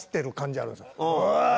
「おい！」